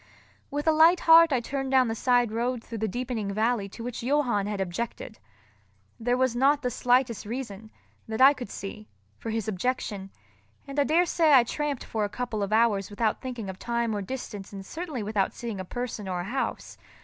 With a light heart I turned down the side road through the deepening valley to which Johann had objected. There was not the slightest reason, that I could see, for his objection; and I daresay I tramped for a couple of hours without thinking of time or distance and certainly without seeing a person or a house.